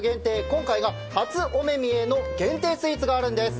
今回が初お目見えの限定スイーツがあるんです。